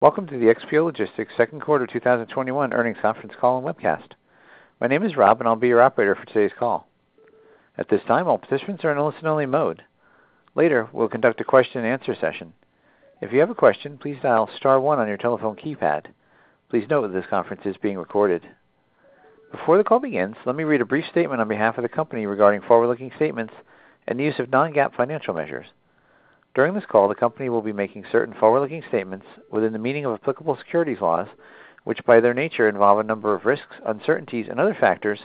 Welcome to the XPO Logistics second quarter 2021 earnings conference call and webcast. My name is Rob, and I'll be your operator for today's call. At this time, all participants are in listen-only mode. Later, we'll conduct a question-and-answer session. If you have a question, please dial star one on your telephone keypad. Please note that this conference is being recorded. Before the call begins, let me read a brief statement on behalf of the company regarding forward-looking statements and the use of non-GAAP financial measures. During this call, the company will be making certain forward-looking statements within the meaning of applicable securities laws, which, by their nature, involve a number of risks, uncertainties, and other factors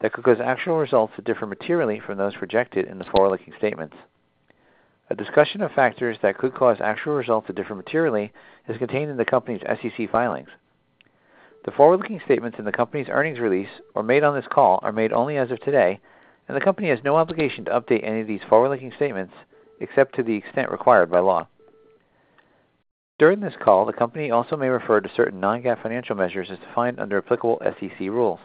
that could cause actual results to differ materially from those projected in the forward-looking statements. A discussion of factors that could cause actual results to differ materially is contained in the company's SEC filings. The forward-looking statements in the company's earnings release or made on this call are made only as of today, and the company has no obligation to update any of these forward-looking statements except to the extent required by law. During this call, the company also may refer to certain non-GAAP financial measures as defined under applicable SEC rules.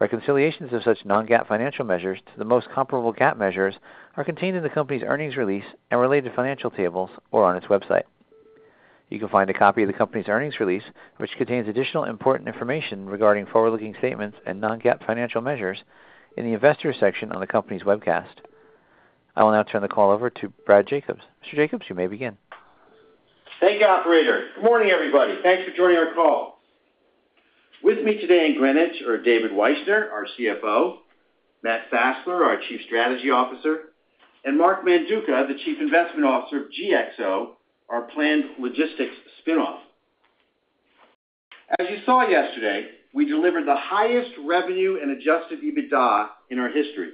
Reconciliations of such non-GAAP financial measures to the most comparable GAAP measures are contained in the company's earnings release and related financial tables or on its website. You can find a copy of the company's earnings release, which contains additional important information regarding forward-looking statements and non-GAAP financial measures, in the Investors section on the company's webcast. I will now turn the call over to Brad Jacobs. Mr. Jacobs, you may begin. Thank you, operator. Good morning, everybody. Thanks for joining our call. With me today in Greenwich are David Wyshner, our CFO, Matt Fassler, our Chief Strategy Officer, and Mark Manduca, the Chief Investment Officer of GXO, our planned Logistics spin-off. As you saw yesterday, we delivered the highest revenue and adjusted EBITDA in our history.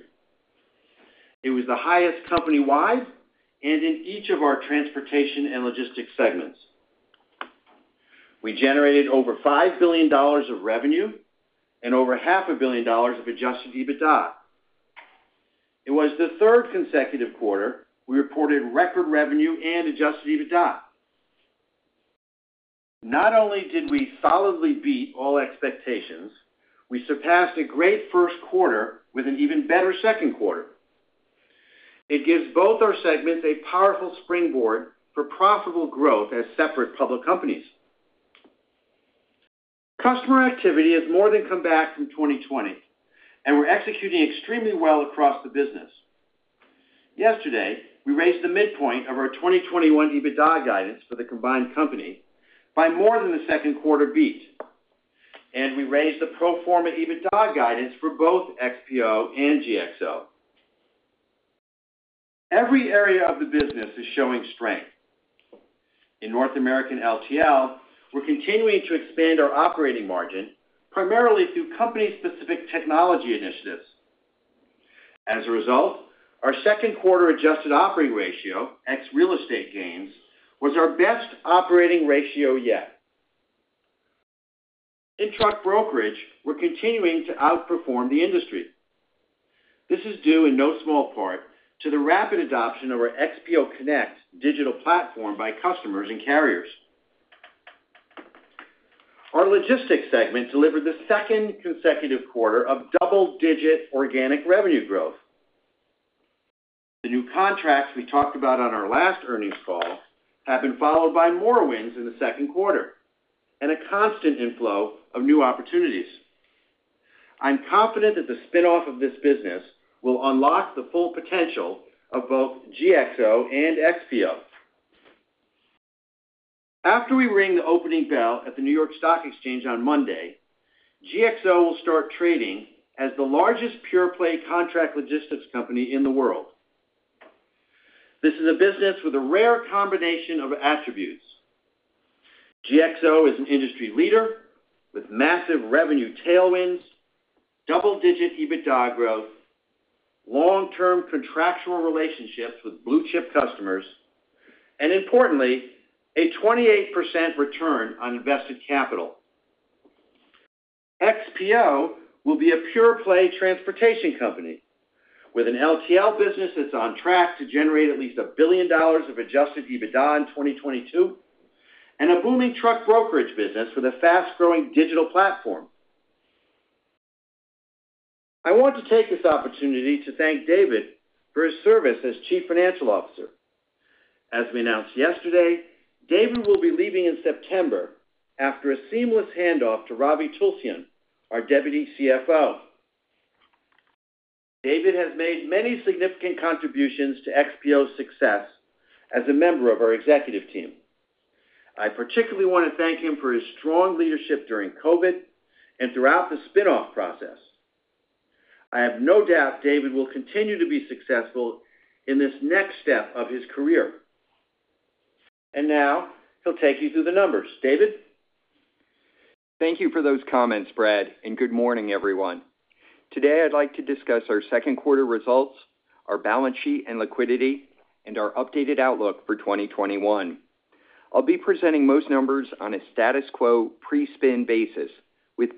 It was the highest company-wide and in each of our Transportation and Logistics segments. We generated over $5 billion of revenue and over half a billion dollars of adjusted EBITDA. It was the third consecutive quarter we reported record revenue and adjusted EBITDA. Not only did we solidly beat all expectations, we surpassed a great first quarter with an even better second quarter. It gives both our segments a powerful springboard for profitable growth as separate public companies. Customer activity has more than come back from 2020, and we're executing extremely well across the business. Yesterday, we raised the midpoint of our 2021 EBITDA guidance for the combined company by more than the second quarter beat, and we raised the pro forma EBITDA guidance for both XPO and GXO. Every area of the business is showing strength. In North American LTL, we're continuing to expand our operating margin, primarily through company-specific technology initiatives. As a result, our second quarter adjusted operating ratio, ex real estate gains, was our best operating ratio yet. In truck brokerage, we're continuing to outperform the industry. This is due in no small part to the rapid adoption of our XPO Connect digital platform by customers and carriers. Our Logistics segment delivered the second consecutive quarter of double-digit organic revenue growth. The new contracts we talked about on our last earnings call have been followed by more wins in the second quarter and a constant inflow of new opportunities. I'm confident that the spinoff of this business will unlock the full potential of both GXO and XPO. After we ring the opening bell at the New York Stock Exchange on Monday, GXO will start trading as the largest pure-play contract logistics company in the world. This is a business with a rare combination of attributes. GXO is an industry leader with massive revenue tailwinds, double-digit EBITDA growth, long-term contractual relationships with blue-chip customers, and importantly, a 28% return on invested capital. XPO will be a pure-play transportation company with an LTL business that's on track to generate at least $1 billion of adjusted EBITDA in 2022 and a booming truck brokerage business with a fast-growing digital platform. I want to take this opportunity to thank David for his service as Chief Financial Officer. As we announced yesterday, David will be leaving in September after a seamless handoff to Ravi Tulsyan, our Deputy CFO. David has made many significant contributions to XPO's success as a member of our executive team. I particularly want to thank him for his strong leadership during COVID and throughout the spinoff process. I have no doubt David will continue to be successful in this next step of his career. Now he'll take you through the numbers. David? Thank you for those comments, Brad. Good morning, everyone. Today, I'd like to discuss our second quarter results, our balance sheet and liquidity, and our updated outlook for 2021. I'll be presenting most numbers on a status quo pre-spin basis with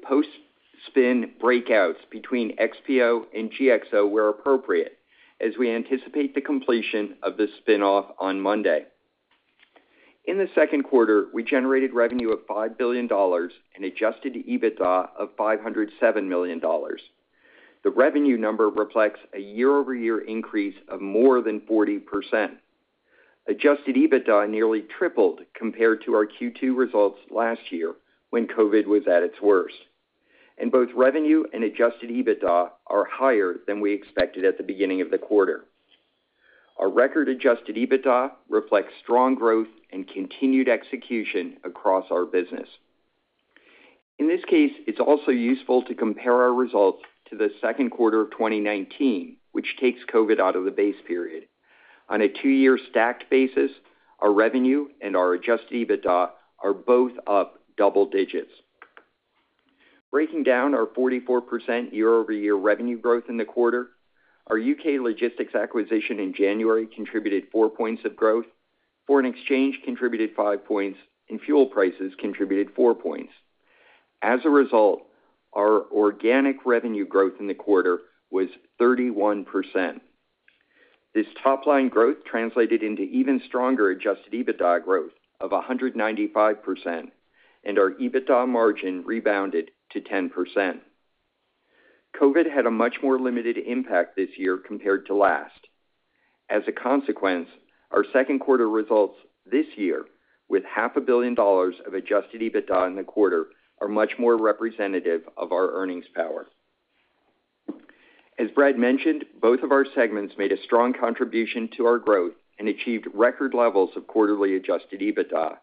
post-spin breakouts between XPO and GXO where appropriate, as we anticipate the completion of the spinoff on Monday. In the second quarter, we generated revenue of $5 billion and adjusted EBITDA of $507 million. The revenue number reflects a year-over-year increase of more than 40%. Adjusted EBITDA nearly tripled compared to our Q2 results last year when COVID was at its worst. Both revenue and adjusted EBITDA are higher than we expected at the beginning of the quarter. Our record adjusted EBITDA reflects strong growth and continued execution across our business. In this case, it's also useful to compare our results to the second quarter of 2019, which takes COVID out of the base period. On a two-year stacked basis, our revenue and our adjusted EBITDA are both up double digits. Breaking down our 44% year-over-year revenue growth in the quarter, our U.K. logistics acquisition in January contributed 4 points of growth, foreign exchange contributed 5 points, and fuel prices contributed 4 points. As a result, our organic revenue growth in the quarter was 31%. This top-line growth translated into even stronger adjusted EBITDA growth of 195%, and our EBITDA margin rebounded to 10%. COVID had a much more limited impact this year compared to last. As a consequence, our second quarter results this year, with $0.5 billion of adjusted EBITDA in the quarter, are much more representative of our earnings power. As Brad mentioned, both of our segments made a strong contribution to our growth and achieved record levels of quarterly adjusted EBITDA.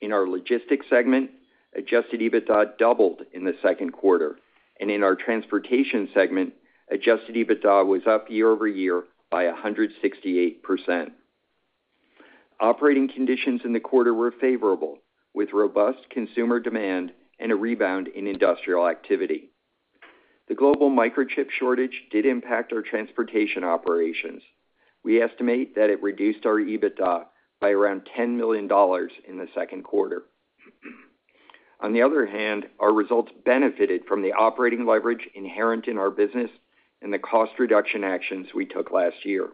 In our Logistics segment, adjusted EBITDA doubled in the second quarter, and in our Transportation segment, adjusted EBITDA was up year-over-year by 168%. Operating conditions in the quarter were favorable, with robust consumer demand and a rebound in industrial activity. The global microchip shortage did impact our transportation operations. We estimate that it reduced our EBITDA by around $10 million in the second quarter. On the other hand, our results benefited from the operating leverage inherent in our business and the cost reduction actions we took last year.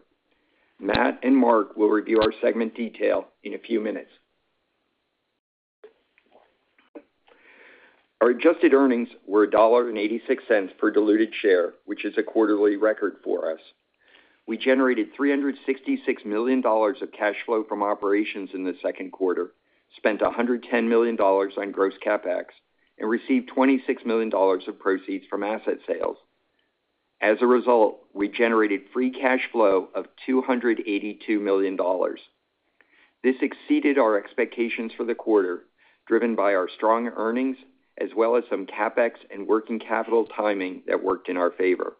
Matt and Mark will review our segment detail in a few minutes. Our adjusted earnings were $1.86 per diluted share, which is a quarterly record for us. We generated $366 million of cash flow from operations in the second quarter, spent $110 million on gross CapEx, received $26 million of proceeds from asset sales. As a result, we generated free cash flow of $282 million. This exceeded our expectations for the quarter, driven by our strong earnings, as well as some CapEx and working capital timing that worked in our favor.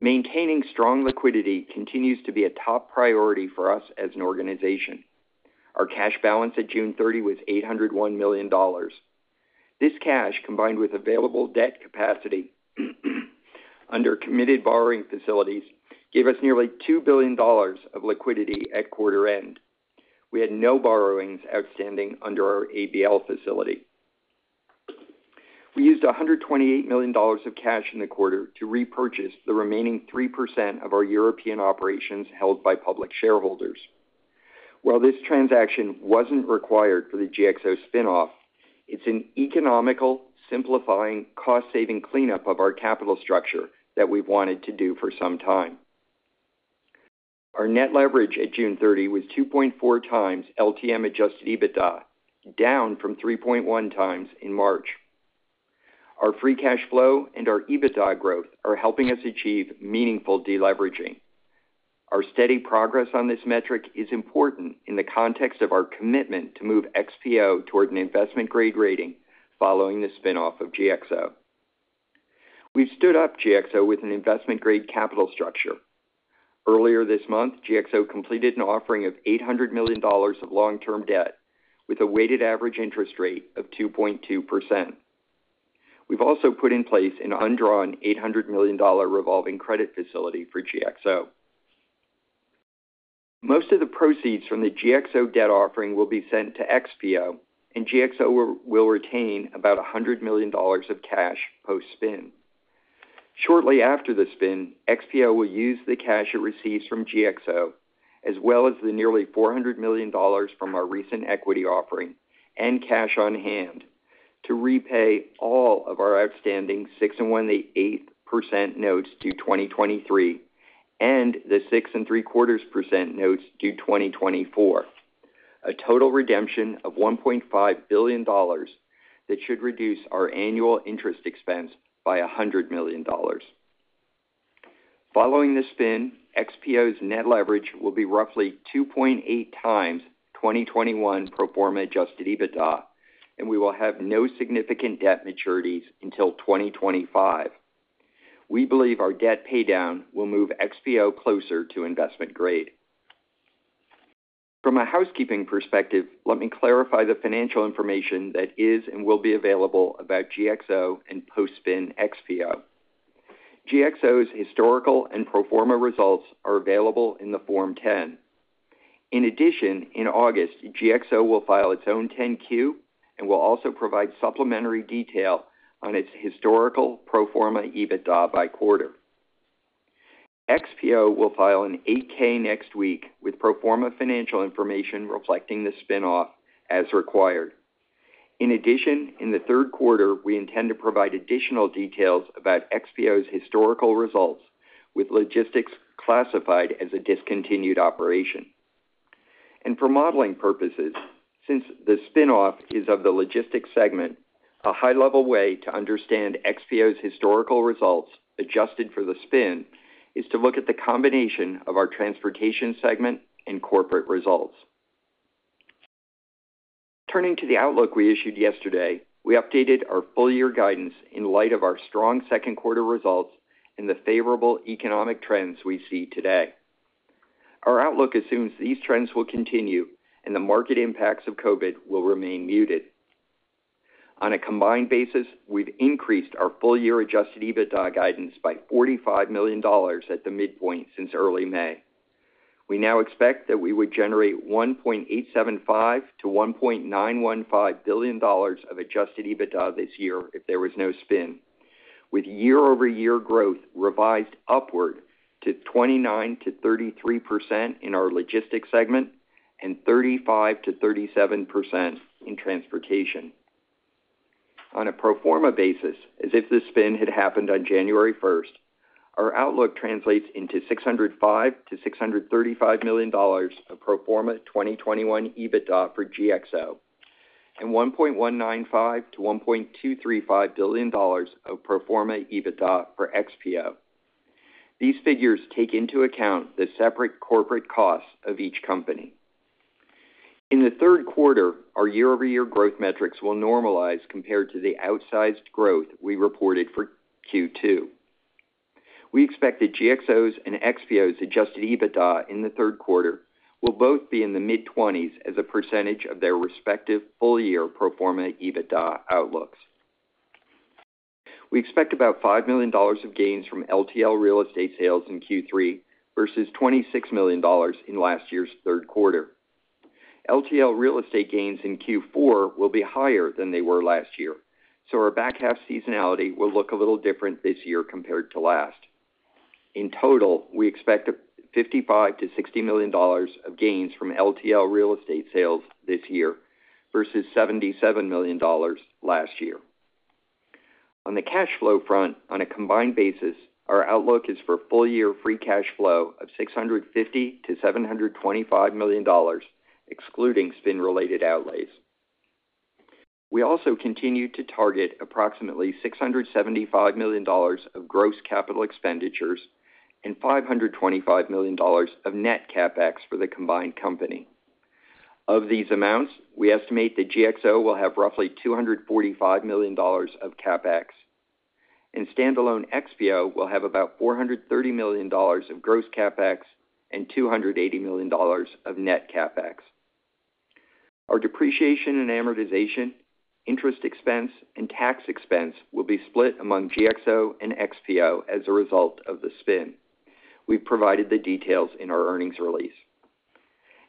Maintaining strong liquidity continues to be a top priority for us as an organization. Our cash balance at June 30 was $801 million. This cash, combined with available debt capacity under committed borrowing facilities, gave us nearly $2 billion of liquidity at quarter end. We had no borrowings outstanding under our ABL facility. We used $128 million of cash in the quarter to repurchase the remaining 3% of our European operations held by public shareholders. While this transaction wasn't required for the GXO spinoff, it's an economical, simplifying, cost-saving cleanup of our capital structure that we've wanted to do for some time. Our net leverage at June 30 was 2.4x LTM adjusted EBITDA, down from 3.1x in March. Our free cash flow and our EBITDA growth are helping us achieve meaningful deleveraging. Our steady progress on this metric is important in the context of our commitment to move XPO toward an investment-grade rating following the spinoff of GXO. We stood up GXO with an investment-grade capital structure. Earlier this month, GXO completed an offering of $800 million of long-term debt with a weighted average interest rate of 2.2%. We've also put in place an undrawn $800 million revolving credit facility for GXO. Most of the proceeds from the GXO debt offering will be sent to XPO, and GXO will retain about $100 million of cash post-spin. Shortly after the spin, XPO will use the cash it receives from GXO, as well as the nearly $400 million from our recent equity offering and cash on hand, to repay all of our outstanding 6.125% notes due 2023 and the 6.75% notes due 2024, a total redemption of $1.5 billion that should reduce our annual interest expense by $100 million. Following the spin, XPO's net leverage will be roughly 2.8x 2021 pro forma adjusted EBITDA, and we will have no significant debt maturities until 2025. We believe our debt paydown will move XPO closer to investment grade. From a housekeeping perspective, let me clarify the financial information that is and will be available about GXO and post-spin XPO. GXO's historical and pro forma results are available in the Form 10. In August, GXO will file its own 10-Q and will also provide supplementary detail on its historical pro forma EBITDA by quarter. XPO will file an 8-K next week with pro forma financial information reflecting the spin-off as required. In the third quarter, we intend to provide additional details about XPO's historical results, with logistics classified as a discontinued operation. For modeling purposes, since the spin-off is of the Logistics segment, a high-level way to understand XPO's historical results adjusted for the spin is to look at the combination of our Transportation segment and corporate results. Turning to the outlook we issued yesterday, we updated our full-year guidance in light of our strong second quarter results and the favorable economic trends we see today. Our outlook assumes these trends will continue, and the market impacts of COVID will remain muted. On a combined basis, we've increased our full-year adjusted EBITDA guidance by $45 million at the midpoint since early May. We now expect that we would generate $1.875 billion-$1.915 billion of adjusted EBITDA this year if there was no spin, with year-over-year growth revised upward to 29%-33% in our Logistics segment and 35%-37% in Transportation. On a pro forma basis, as if the spin had happened on January 1st, our outlook translates into $605 million-$635 million of pro forma 2021 EBITDA for GXO, and $1.195 billion-$1.235 billion of pro forma EBITDA for XPO. These figures take into account the separate corporate costs of each company. In the third quarter, our year-over-year growth metrics will normalize compared to the outsized growth we reported for Q2. We expect that GXO's and XPO's adjusted EBITDA in the third quarter will both be in the mid-20s as a percentage of their respective full-year pro forma EBITDA outlooks. We expect about $5 million of gains from LTL real estate sales in Q3 versus $26 million in last year's third quarter. LTL real estate gains in Q4 will be higher than they were last year. Our back half seasonality will look a little different this year compared to last. In total, we expect $55 million-$60 million of gains from LTL real estate sales this year versus $77 million last year. On the cash flow front, on a combined basis, our outlook is for full-year free cash flow of $650 million-$725 million, excluding spin-related outlays. We also continue to target approximately $675 million of gross capital expenditures and $525 million of net CapEx for the combined company. Of these amounts, we estimate that GXO will have roughly $245 million of CapEx, and standalone XPO will have about $430 million of gross CapEx and $280 million of net CapEx. Our depreciation and amortization, interest expense, and tax expense will be split among GXO and XPO as a result of the spin. We've provided the details in our earnings release.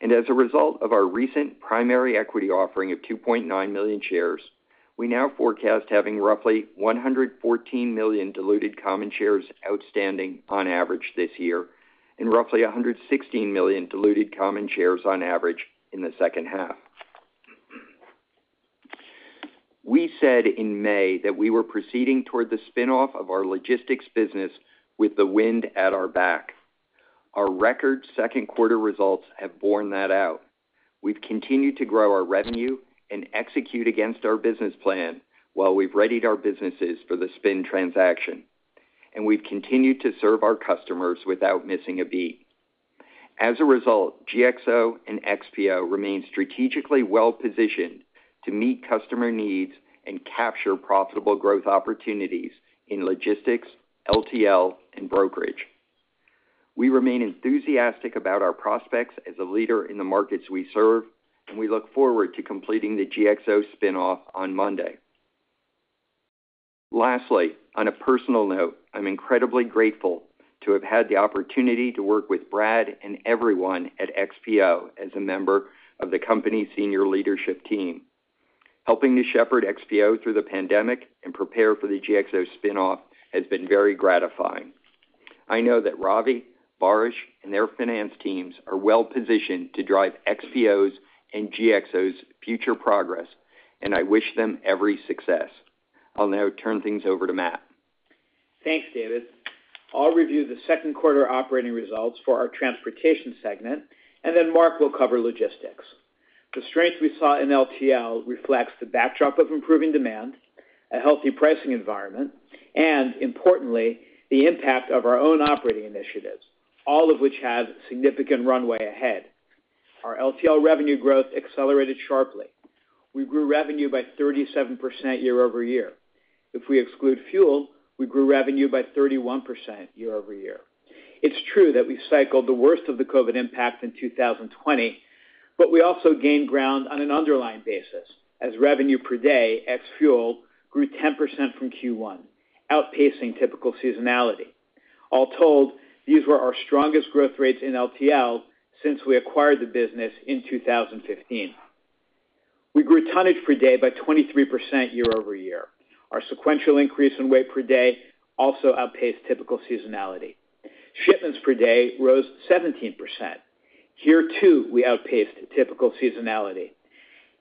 As a result of our recent primary equity offering of 2.9 million shares, we now forecast having roughly 114 million diluted common shares outstanding on average this year and roughly 116 million diluted common shares on average in the second half. We said in May that we were proceeding toward the spin-off of our logistics business with the wind at our back. Our record second quarter results have borne that out. We've continued to grow our revenue and execute against our business plan while we've readied our businesses for the spin transaction, and we've continued to serve our customers without missing a beat. As a result, GXO and XPO remain strategically well-positioned to meet customer needs and capture profitable growth opportunities in logistics, LTL, and brokerage. We remain enthusiastic about our prospects as a leader in the markets we serve, and we look forward to completing the GXO spin-off on Monday. Lastly, on a personal note, I'm incredibly grateful to have had the opportunity to work with Brad and everyone at XPO as a member of the company's senior leadership team. Helping to shepherd XPO through the pandemic and prepare for the GXO spin-off has been very gratifying. I know that Ravi, Baris, and their finance teams are well-positioned to drive XPO's and GXO's future progress. I wish them every success. I'll now turn things over to Matt. Thanks, David. I'll review the second quarter operating results for our Transportation segment. Mark will cover Logistics. The strength we saw in LTL reflects the backdrop of improving demand, a healthy pricing environment, and importantly, the impact of our own operating initiatives, all of which have significant runway ahead. Our LTL revenue growth accelerated sharply. We grew revenue by 37% year-over-year. If we exclude fuel, we grew revenue by 31% year-over-year. It's true that we cycled the worst of the COVID impact in 2020. We also gained ground on an underlying basis as revenue per day ex fuel grew 10% from Q1, outpacing typical seasonality. All told, these were our strongest growth rates in LTL since we acquired the business in 2015. We grew tonnage per day by 23% year-over-year. Our sequential increase in weight per day also outpaced typical seasonality. Shipments per day rose 17%. Here, too, we outpaced typical seasonality.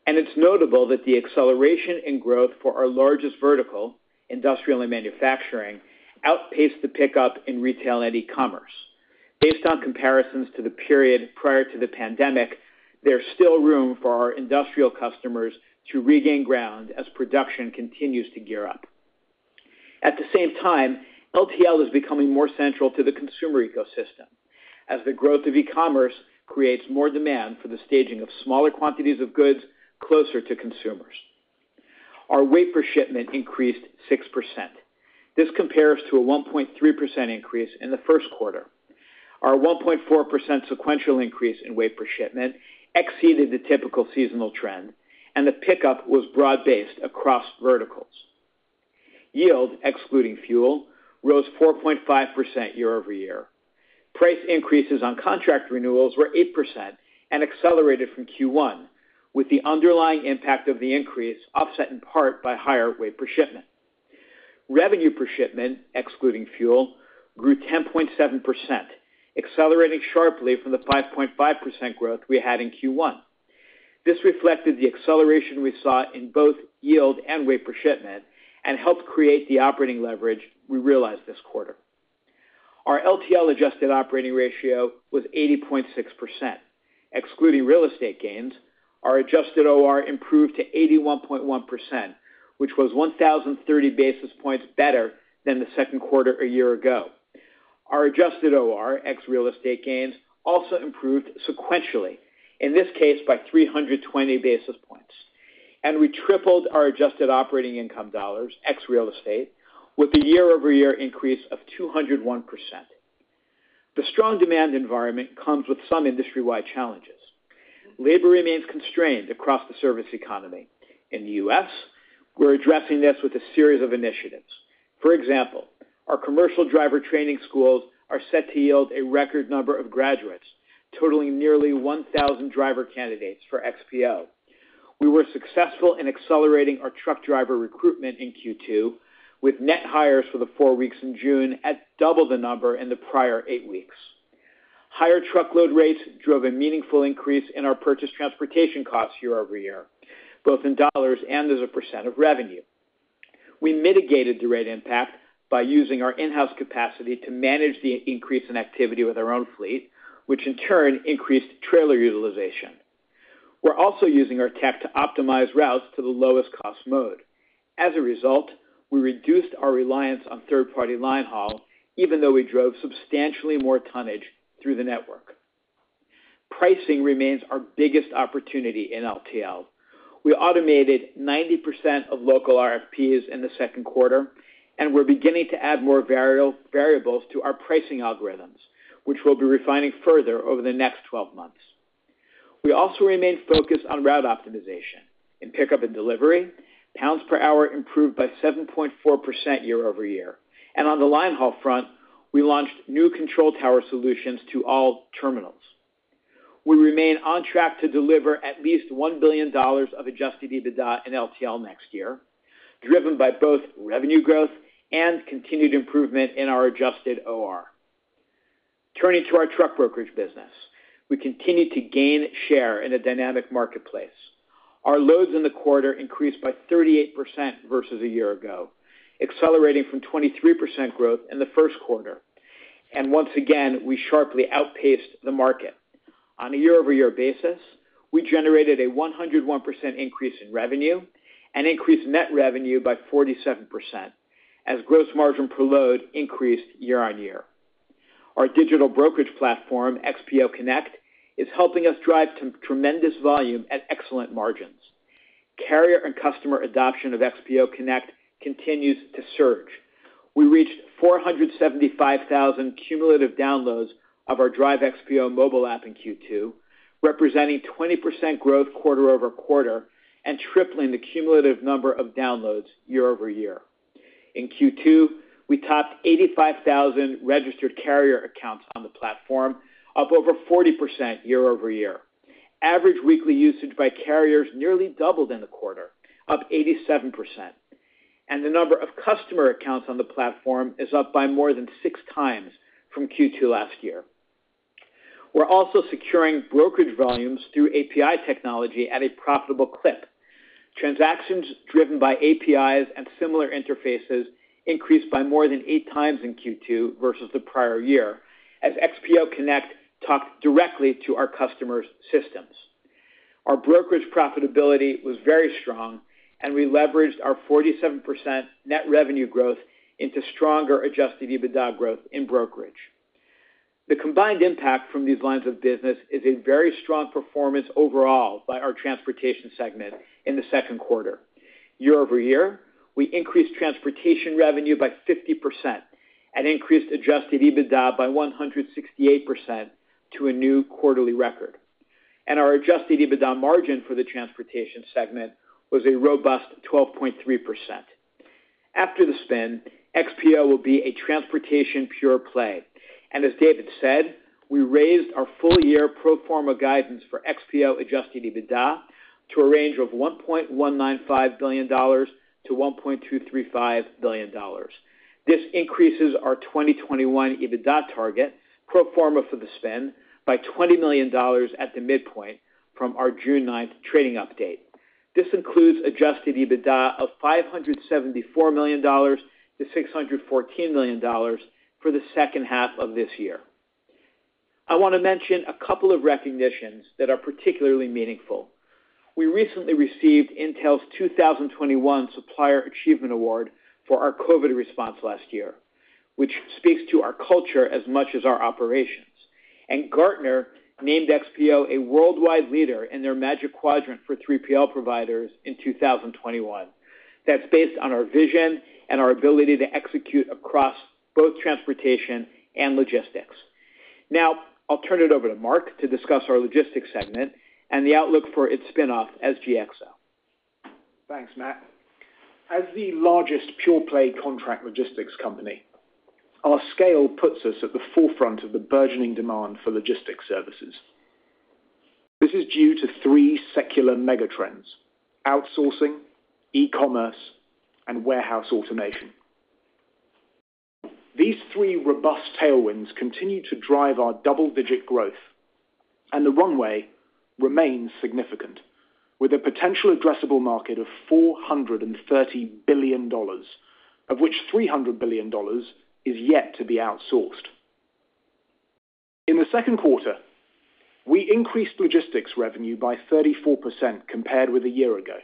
It's notable that the acceleration in growth for our largest vertical, industrial and manufacturing, outpaced the pickup in retail and e-commerce. Based on comparisons to the period prior to the pandemic, there's still room for our industrial customers to regain ground as production continues to gear up. At the same time, LTL is becoming more central to the consumer ecosystem as the growth of e-commerce creates more demand for the staging of smaller quantities of goods closer to consumers. Our weight per shipment increased 6%. This compares to a 1.3% increase in the first quarter. Our 1.4% sequential increase in weight per shipment exceeded the typical seasonal trend, and the pickup was broad-based across verticals. Yield, excluding fuel, rose 4.5% year-over-year. Price increases on contract renewals were 8% and accelerated from Q1, with the underlying impact of the increase offset in part by higher weight per shipment. Revenue per shipment, excluding fuel, grew 10.7%, accelerating sharply from the 5.5% growth we had in Q1. This reflected the acceleration we saw in both yield and weight per shipment and helped create the operating leverage we realized this quarter. Our LTL adjusted operating ratio was 80.6%. Excluding real estate gains, our adjusted OR improved to 81.1%, which was 1,030 basis points better than the second quarter a year ago. Our adjusted OR, ex real estate gains, also improved sequentially, in this case by 320 basis points. We tripled our adjusted operating income dollars, ex real estate, with a year-over-year increase of 201%. The strong demand environment comes with some industry-wide challenges. Labor remains constrained across the service economy. In the U.S., we're addressing this with a series of initiatives. For example, our commercial driver training schools are set to yield a record number of graduates, totaling nearly 1,000 driver candidates for XPO. We were successful in accelerating our truck driver recruitment in Q2 with net hires for the four weeks in June at double the number in the prior eight weeks. Higher truckload rates drove a meaningful increase in our purchased transportation costs year-over-year, both in dollars and as a percent of revenue. We mitigated the rate impact by using our in-house capacity to manage the increase in activity with our own fleet, which in turn increased trailer utilization. We're also using our tech to optimize routes to the lowest cost mode. As a result, we reduced our reliance on third-party line haul, even though we drove substantially more tonnage through the network. Pricing remains our biggest opportunity in LTL. We automated 90% of local RFPs in the second quarter, and we're beginning to add more variables to our pricing algorithms, which we'll be refining further over the next 12 months. We also remain focused on route optimization. In pickup and delivery, pounds per hour improved by 7.4% year-over-year. On the linehaul front, we launched new control tower solutions to all terminals. We remain on track to deliver at least $1 billion of adjusted EBITDA in LTL next year, driven by both revenue growth and continued improvement in our adjusted OR. Turning to our truck brokerage business. We continue to gain share in a dynamic marketplace. Our loads in the quarter increased by 38% versus a year ago, accelerating from 23% growth in the first quarter. Once again, we sharply outpaced the market. On a year-over-year basis, we generated a 101% increase in revenue and increased net revenue by 47%, as gross margin per load increased year-on-year. Our digital brokerage platform, XPO Connect, is helping us drive tremendous volume at excellent margins. Carrier and customer adoption of XPO Connect continues to surge. We reached 475,000 cumulative downloads of our Drive XPO mobile app in Q2, representing 20% growth quarter-over-quarter and tripling the cumulative number of downloads year-over-year. In Q2, we topped 85,000 registered carrier accounts on the platform, up over 40% year-over-year. Average weekly usage by carriers nearly doubled in the quarter, up 87%. The number of customer accounts on the platform is up by more than 6x from Q2 last year. We're also securing brokerage volumes through API technology at a profitable clip. Transactions driven by APIs and similar interfaces increased by more than 8x in Q2 versus the prior year, as XPO Connect talked directly to our customers' systems. Our brokerage profitability was very strong, and we leveraged our 47% net revenue growth into stronger adjusted EBITDA growth in brokerage. The combined impact from these lines of business is a very strong performance overall by our Transportation segment in the second quarter. Year-over-year, we increased Transportation revenue by 50% and increased adjusted EBITDA by 168% to a new quarterly record. Our adjusted EBITDA margin for the transportation segment was a robust 12.3%. After the spin, XPO will be a transportation pure play. As David said, we raised our full-year pro forma guidance for XPO adjusted EBITDA to a range of $1.195 billion-$1.235 billion. This increases our 2021 EBITDA target, pro forma for the spin, by $20 million at the midpoint from our June 9th trading update. This includes adjusted EBITDA of $574 million-$614 million for the second half of this year. I want to mention a couple of recognitions that are particularly meaningful. We recently received Intel's 2021 Supplier Achievement Award for our COVID response last year, which speaks to our culture as much as our operations. Gartner named XPO a worldwide leader in their Magic Quadrant for 3PL providers in 2021. That's based on our vision and our ability to execute across both Transportation and Logistics. Now, I'll turn it over to Mark to discuss our Logistics segment and the outlook for its spin-off as GXO. Thanks, Matt. As the largest pure-play contract logistics company, our scale puts us at the forefront of the burgeoning demand for logistics services. This is due to three secular megatrends: outsourcing, e-commerce, and warehouse automation. These three robust tailwinds continue to drive our double-digit growth, and the runway remains significant, with a potential addressable market of $430 billion, of which $300 billion is yet to be outsourced. In the second quarter, we increased logistics revenue by 34% compared with a year ago,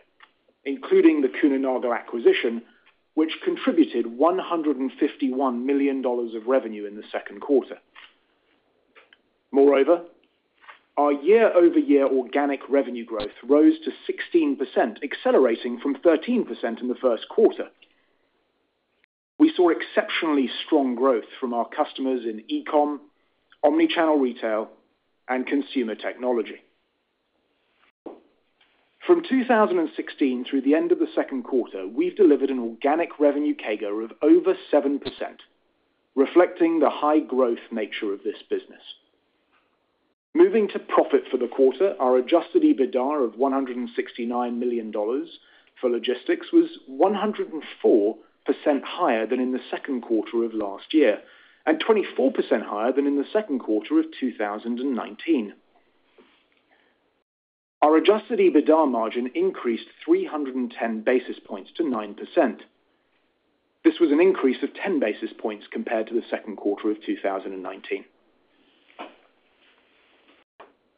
including the Kuehne + Nagel acquisition, which contributed $151 million of revenue in the second quarter. Our year-over-year organic revenue growth rose to 16%, accelerating from 13% in the first quarter. We saw exceptionally strong growth from our customers in e-com, omni-channel retail, and consumer technology. From 2016 through the end of the second quarter, we've delivered an organic revenue CAGR of over 7%, reflecting the high growth nature of this business. Moving to profit for the quarter, our adjusted EBITDA of $169 million for logistics was 104% higher than in the second quarter of last year and 24% higher than in the second quarter of 2019. Our adjusted EBITDA margin increased 310 basis points to 9%. This was an increase of 10 basis points compared to the second quarter of 2019.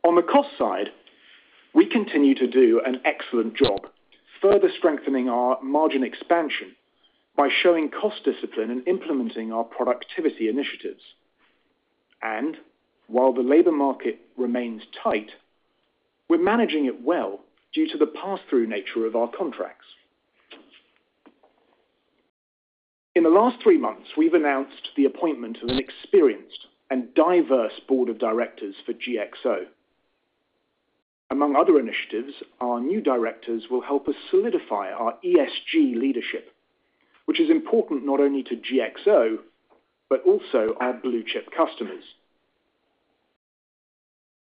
On the cost side, we continue to do an excellent job further strengthening our margin expansion by showing cost discipline and implementing our productivity initiatives. While the labor market remains tight, we're managing it well due to the pass-through nature of our contracts. In the last three months, we've announced the appointment of an experienced and diverse Board of Directors for GXO. Among other initiatives, our new Directors will help us solidify our ESG leadership, which is important not only to GXO, but also our blue-chip customers.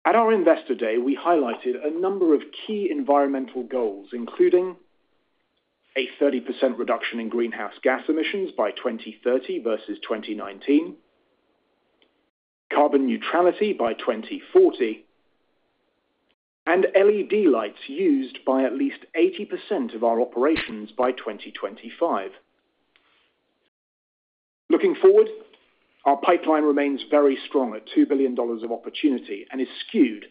At our Investor Day, we highlighted a number of key environmental goals, including a 30% reduction in greenhouse gas emissions by 2030 versus 2019, carbon neutrality by 2040, and LED lights used by at least 80% of our operations by 2025. Looking forward, our pipeline remains very strong at $2 billion of opportunity and is skewed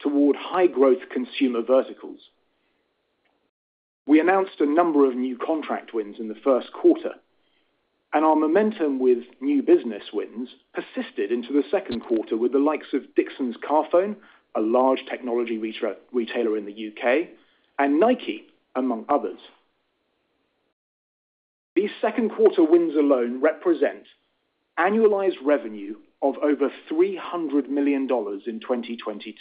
toward high-growth consumer verticals. We announced a number of new contract wins in the first quarter, and our momentum with new business wins persisted into the second quarter with the likes of Dixons Carphone, a large technology retailer in the U.K., and Nike, among others. These second quarter wins alone represent annualized revenue of over $300 million in 2022.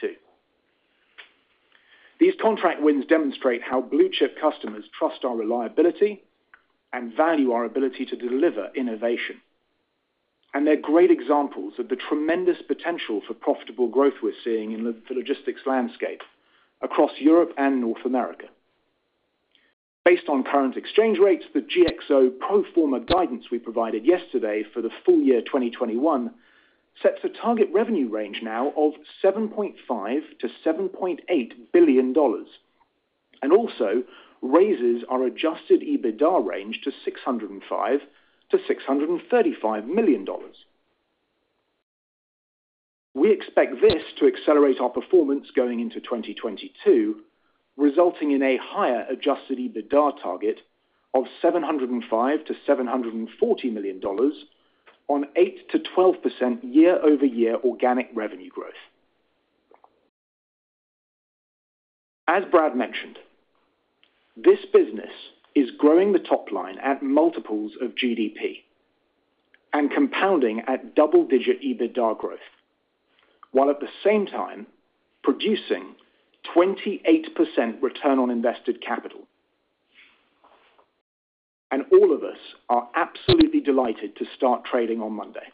These contract wins demonstrate how blue-chip customers trust our reliability and value our ability to deliver innovation. They're great examples of the tremendous potential for profitable growth we're seeing in the logistics landscape across Europe and North America. Based on current exchange rates, the GXO pro forma guidance we provided yesterday for the full year 2021 sets a target revenue range now of $7.5 billion-$7.8 billion, and also raises our adjusted EBITDA range to $605 million-$635 million. We expect this to accelerate our performance going into 2022, resulting in a higher adjusted EBITDA target of $705 million-$740 million on 8%-12% year-over-year organic revenue growth. As Brad mentioned, this business is growing the top line at multiples of GDP. Compounding at double-digit EBITDA growth, while at the same time producing 28% return on invested capital. All of us are absolutely delighted to start trading on Monday.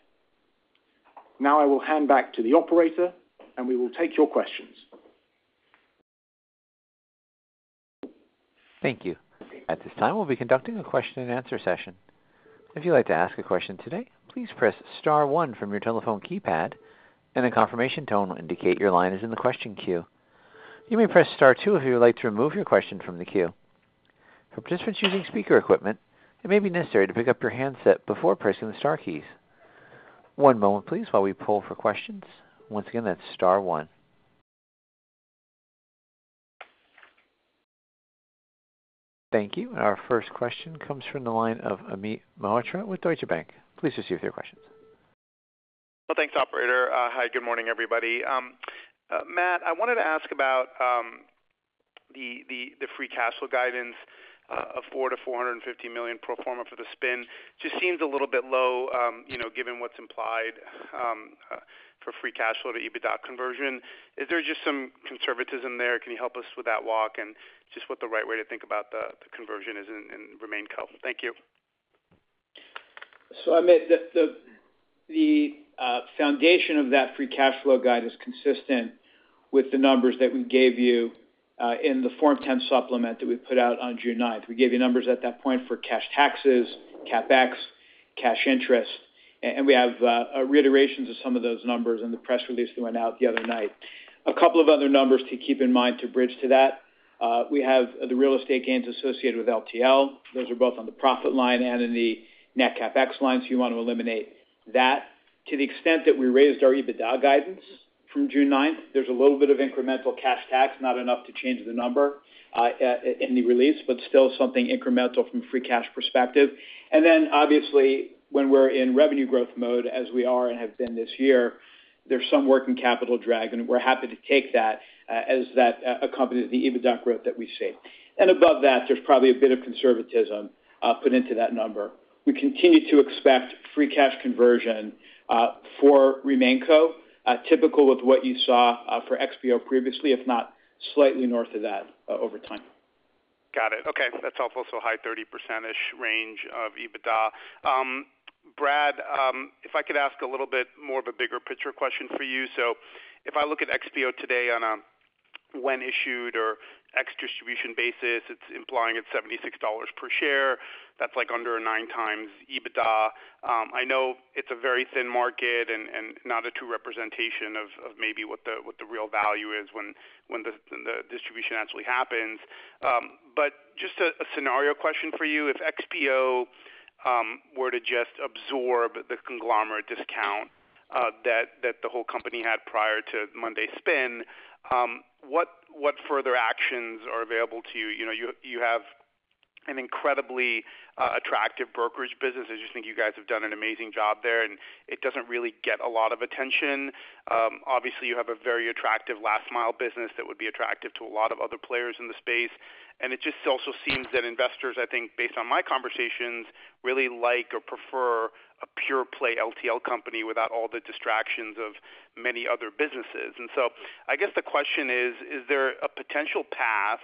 Now I will hand back to the operator and we will take your questions. Thank you. At this time, we'll be conducting a question-and-answer session. If you'd like to ask a question today, please press star one from your telephone keypad and a confirmation tone will indicate your line is in the question queue. You may press star two if you would like to remove your question from the queue. For participants using speaker equipment, it may be necessary to pick up your handset before pressing the star keys. One moment please, while we pull for questions. Once again, that's star one. Thank you. Our first question comes from the line of Amit Mehrotra with Deutsche Bank. Please proceed with your questions. Well, thanks operator. Hi, good morning, everybody. Matt, I wanted to ask about the free cash flow guidance of $400 million-$450 million pro forma for the spin. Just seems a little bit low given what's implied for free cash flow to EBITDA conversion. Is there just some conservatism there? Can you help us with that walk and just what the right way to think about the conversion is in RemainCo? Thank you. Amit, the foundation of that free cash flow guide is consistent with the numbers that we gave you in the Form 10 supplement that we put out on June 9th. We gave you numbers at that point for cash taxes, CapEx, cash interest, and we have reiterations of some of those numbers in the press release that went out the other night. A couple of other numbers to keep in mind to bridge to that. We have the real estate gains associated with LTL. Those are both on the profit line and in the net CapEx line, so you want to eliminate that. To the extent that we raised our EBITDA guidance from June 9th, there's a little bit of incremental cash tax, not enough to change the number in the release, but still something incremental from free cash perspective. Obviously when we're in revenue growth mode, as we are and have been this year, there's some working capital drag, and we're happy to take that as that accompanies the EBITDA growth that we see. Above that, there's probably a bit of conservatism put into that number. We continue to expect free cash conversion for RemainCo, typical with what you saw for XPO previously, if not slightly north of that over time. Got it. Okay, that's helpful. High 30%-ish range of EBITDA. Brad, if I could ask a little bit more of a bigger picture question for you. If I look at XPO today on a when issued or ex-distribution basis, it's implying it's $76 per share. That's like under a 9x EBITDA. I know it's a very thin market and not a true representation of maybe what the real value is when the distribution actually happens. Just a scenario question for you. If XPO were to just absorb the conglomerate discount that the whole company had prior to Monday's spin, what further actions are available to you? You have an incredibly attractive brokerage business. I just think you guys have done an amazing job there, and it doesn't really get a lot of attention. Obviously, you have a very attractive last mile business that would be attractive to a lot of other players in the space. It just also seems that investors, I think, based on my conversations, really like or prefer a pure-play LTL company without all the distractions of many other businesses. I guess the question is there a potential path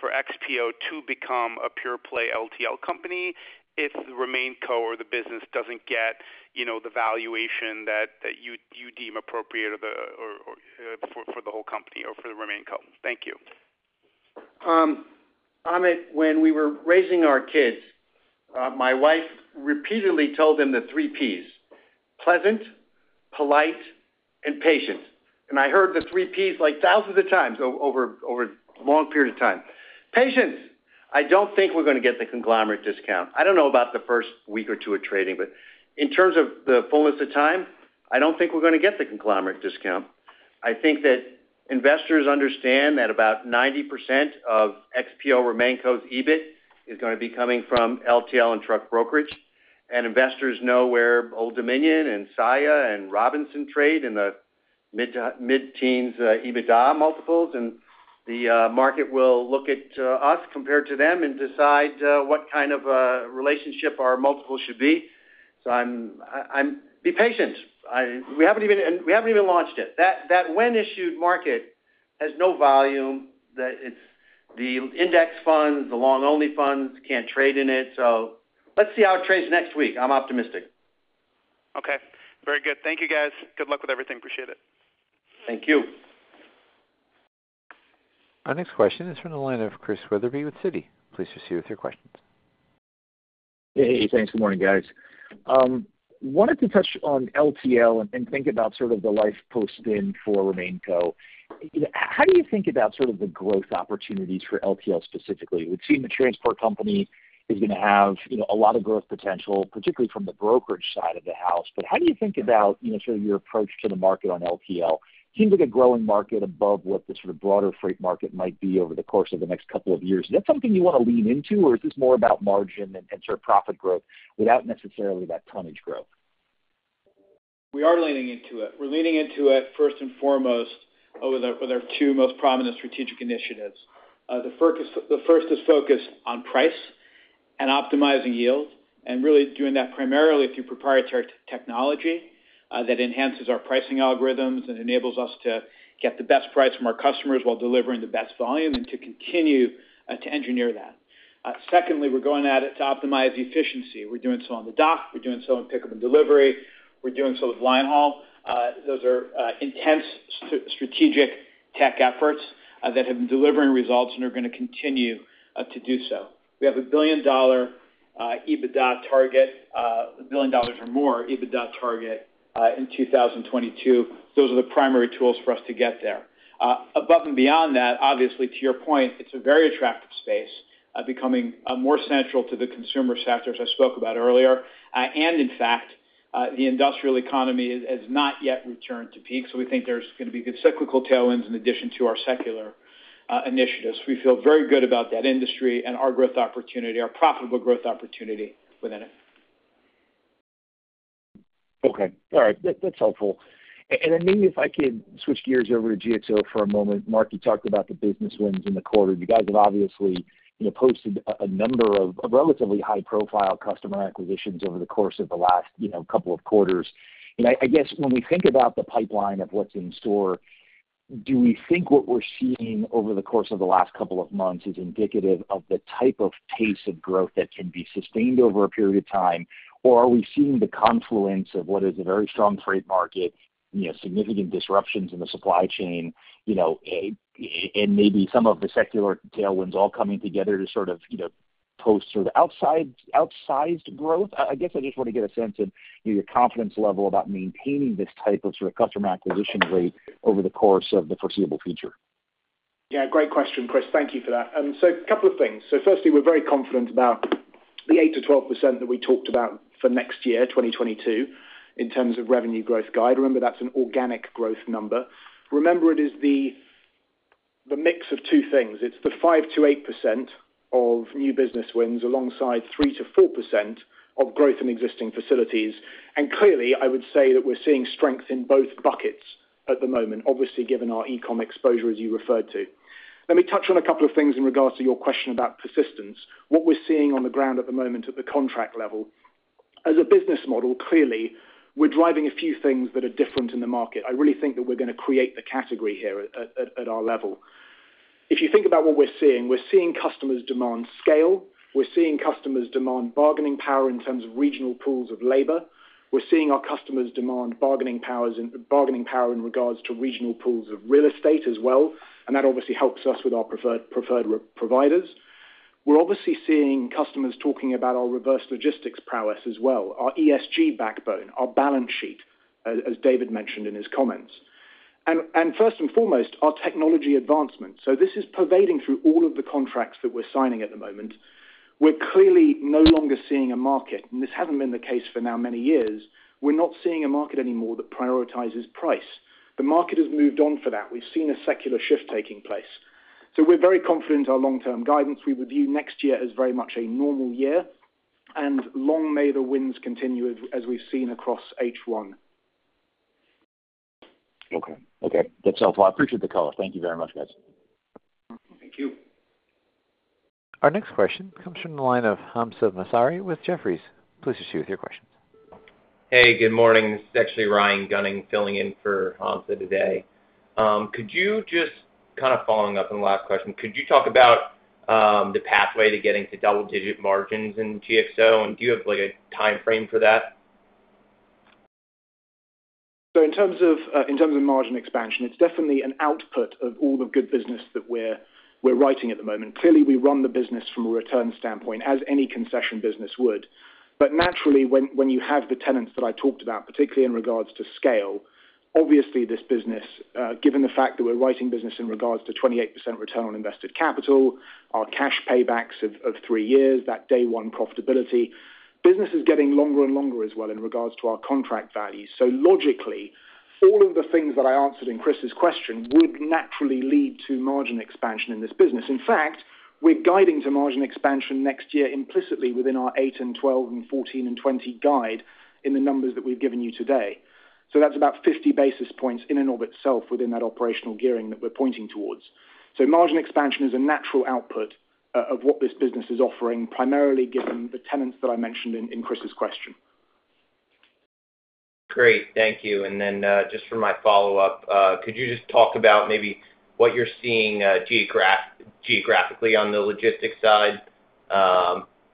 for XPO to become a pure play LTL company if RemainCo or the business doesn't get the valuation that you deem appropriate for the whole company or for the RemainCo? Thank you. Amit, when we were raising our kids, my wife repeatedly told them the three Ps, pleasant, polite, and patient. I heard the three Ps like thousands of times over long periods of time. Patience. I don't think we're going to get the conglomerate discount. I don't know about the first week or two of trading, but in terms of the fullness of time, I don't think we're going to get the conglomerate discount. I think that investors understand that about 90% of XPO RemainCo's EBIT is going to be coming from LTL and truck brokerage. Investors know where Old Dominion and Saia and Robinson trade in the mid-teens EBITDA multiples. The market will look at us compared to them and decide what kind of a relationship our multiple should be. Be patient. We haven't even launched it. That when issued market has no volume. The index funds, the long only funds can't trade in it. Let's see how it trades next week. I'm optimistic. Okay. Very good. Thank you guys. Good luck with everything. Appreciate it. Thank you. Our next question is from the line of Chris Wetherbee with Citi. Please proceed with your questions. Hey. Thanks. Good morning, guys. Wanted to touch on LTL and think about sort of the life post spin for RemainCo. How do you think about sort of the growth opportunities for LTL specifically? We've seen the transport company is going to have a lot of growth potential, particularly from the brokerage side of the house. How do you think about sort of your approach to the market on LTL? Seems like a growing market above what the sort of broader freight market might be over the course of the next couple of years. Is that something you want to lean into, or is this more about margin and sort of profit growth without necessarily that tonnage growth? We are leaning into it. We're leaning into it first and foremost with our two most prominent strategic initiatives. The first is focused on price and optimizing yield, and really doing that primarily through proprietary technology that enhances our pricing algorithms and enables us to get the best price from our customers while delivering the best volume, and to continue to engineer that. We're going at it to optimize efficiency. We're doing so on the dock. We're doing so in pickup and delivery. We're doing so with line haul. Those are intense strategic tech efforts that have been delivering results and are going to continue to do so. We have a $1 billion or more EBITDA target in 2022. Those are the primary tools for us to get there. Above and beyond that, obviously, to your point, it's a very attractive space becoming more central to the consumer sectors I spoke about earlier. In fact, the industrial economy has not yet returned to peak. We think there's going to be good cyclical tailwinds in addition to our secular initiatives. We feel very good about that industry and our profitable growth opportunity within it. Okay. All right. That's helpful. Then maybe if I could switch gears over to GXO for a moment. Mark, you talked about the business wins in the quarter. You guys have obviously posted a number of relatively high profile customer acquisitions over the course of the last couple of quarters. I guess when we think about the pipeline of what's in store, do we think what we're seeing over the course of the last couple of months is indicative of the type of pace of growth that can be sustained over a period of time? Are we seeing the confluence of what is a very strong freight market, significant disruptions in the supply chain, and maybe some of the secular tailwinds all coming together to post sort of outsized growth? I guess I just want to get a sense of your confidence level about maintaining this type of customer acquisition rate over the course of the foreseeable future. Yeah, great question, Chris. Thank you for that. A couple of things. Firstly, we're very confident about the 8%-12% that we talked about for next year, 2022, in terms of revenue growth guide. Remember, that's an organic growth number. Remember, it is the mix of two things. It's the 5%-8% of new business wins alongside 3%-4% of growth in existing facilities. Clearly, I would say that we're seeing strength in both buckets at the moment, obviously, given our e-commerce exposure, as you referred to. Let me touch on a couple of things in regards to your question about persistence. What we're seeing on the ground at the moment at the contract level, as a business model, clearly we're driving a few things that are different in the market. I really think that we're going to create the category here at our level. If you think about what we're seeing, we're seeing customers demand scale. We're seeing customers demand bargaining power in terms of regional pools of labor. We're seeing our customers demand bargaining power in regards to regional pools of real estate as well, and that obviously helps us with our preferred providers. We're obviously seeing customers talking about our reverse logistics prowess as well, our ESG backbone, our balance sheet, as David mentioned in his comments. First and foremost, our technology advancement. This is pervading through all of the contracts that we're signing at the moment. We're clearly no longer seeing a market, and this hasn't been the case for now many years. We're not seeing a market anymore that prioritizes price. The market has moved on for that. We've seen a secular shift taking place. We're very confident in our long-term guidance. We review next year as very much a normal year, and long may the winds continue as we've seen across H1. Okay. That's helpful. I appreciate the color. Thank you very much, guys. Thank you. Our next question comes from the line of Hamzah Mazari with Jefferies. Please proceed with your questions. Hey, good morning. This is actually Ryan Gunning filling in for Hamzah today. Kind of following up on the last question, could you talk about the pathway to getting to double-digit margins in GXO, and do you have a timeframe for that? In terms of margin expansion, it's definitely an output of all the good business that we're writing at the moment. Clearly, we run the business from a return standpoint, as any concession business would. Naturally, when you have the tenants that I talked about, particularly in regards to scale, obviously this business, given the fact that we're writing business in regards to 28% return on invested capital, our cash paybacks of three years, that day one profitability. Business is getting longer and longer as well in regards to our contract values. Logically, all of the things that I answered in Chris's question would naturally lead to margin expansion in this business. In fact, we're guiding to margin expansion next year implicitly within our 8% and 12% and 14% and 20% guide in the numbers that we've given you today. That's about 50 basis points in and of itself within that operational gearing that we're pointing towards. Margin expansion is a natural output of what this business is offering, primarily given the tenets that I mentioned in Chris's question. Great. Thank you. Just for my follow-up, could you just talk about maybe what you're seeing geographically on the logistics side?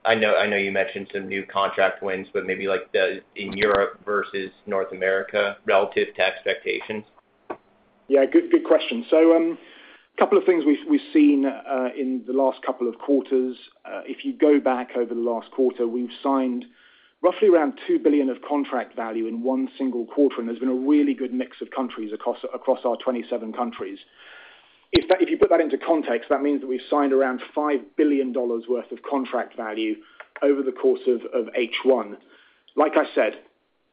I know you mentioned some new contract wins, but maybe like in Europe versus North America relative to expectations. Yeah. Good question. A couple of things we've seen in the last couple of quarters. If you go back over the last quarter, we've signed roughly around $2 billion of contract value in one single quarter, and there's been a really good mix of countries across our 27 countries. If you put that into context, that means that we've signed around $5 billion worth of contract value over the course of H1. Like I said,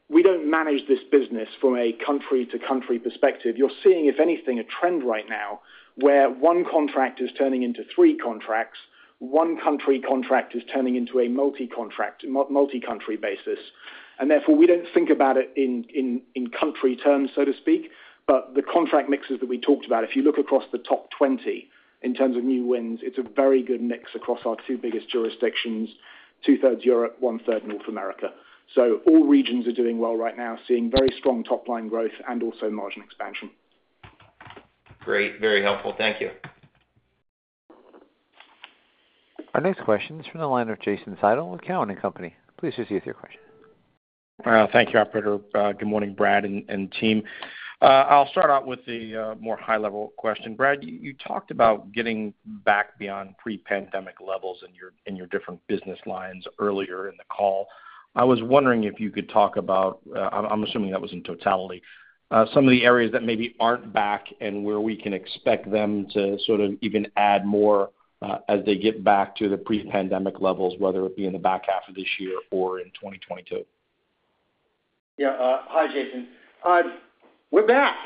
we don't manage this business from a country to country perspective. You're seeing, if anything, a trend right now where one contract is turning into three contracts. One country contract is turning into a multi-country basis. Therefore, we don't think about it in country terms, so to speak. The contract mixes that we talked about, if you look across the top 20 in terms of new wins, it's a very good mix across our two biggest jurisdictions, 2/3 Europe, 1/3 North America. All regions are doing well right now, seeing very strong top-line growth and also margin expansion. Great. Very helpful. Thank you. Our next question is from the line of Jason Seidl with Cowen and Company. Please proceed with your question. Thank you, operator. Good morning, Brad and team. I'll start out with the more high-level question. Brad, you talked about getting back beyond pre-pandemic levels in your different business lines earlier in the call. I was wondering if you could talk about, I'm assuming that was in totality, some of the areas that maybe aren't back and where we can expect them to sort of even add more as they get back to the pre-pandemic levels, whether it be in the back half of this year or in 2022. Yeah. Hi, Jason. We're back.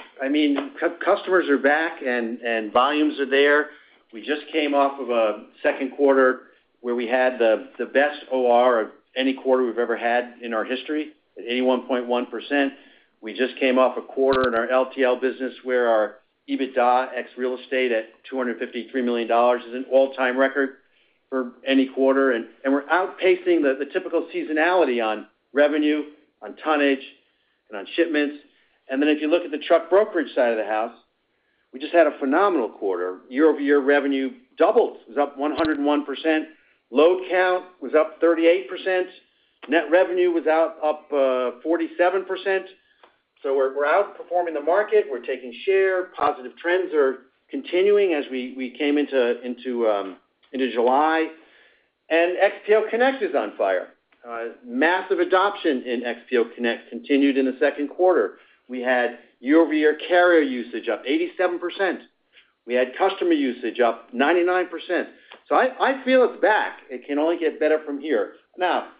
Customers are back, and volumes are there. We just came off of a second quarter where we had the best OR of any quarter we've ever had in our history, at 81.1%. We just came off a quarter in our LTL business where our EBITDA ex real estate at $253 million is an all-time record for any quarter. We're outpacing the typical seasonality on revenue, on tonnage, and on shipments. If you look at the truck brokerage side of the house, we just had a phenomenal quarter. Year-over-year revenue doubled. It was up 101%. Load count was up 38%. Net revenue was up 47%. We're outperforming the market. We're taking share. Positive trends are continuing as we came into July, and XPO Connect is on fire. Massive adoption in XPO Connect continued in the second quarter. We had year-over-year carrier usage up 87%. We had customer usage up 99%. I feel it's back. It can only get better from here.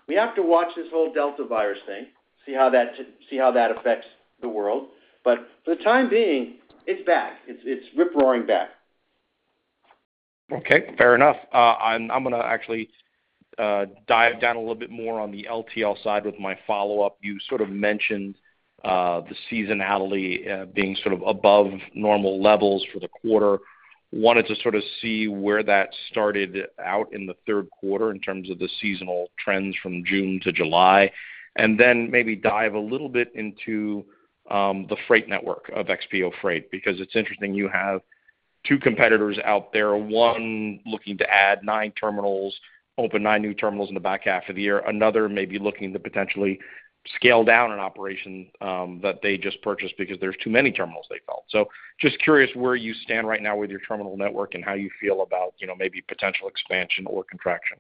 We have to watch this whole Delta virus thing, see how that affects the world. For the time being, it's back. It's rip-roaring back. Okay. Fair enough. I'm going to actually dive down a little bit more on the LTL side with my follow-up. You sort of mentioned the seasonality being sort of above normal levels for the quarter. Wanted to sort of see where that started out in the third quarter in terms of the seasonal trends from June to July, and then maybe dive a little bit into the freight network of XPO Freight because it's interesting you have two competitors out there, one looking to add nine terminals, open nine new terminals in the back half of the year, another may be looking to potentially scale down an operation that they just purchased because there's too many terminals they felt. Just curious where you stand right now with your terminal network and how you feel about maybe potential expansion or contraction.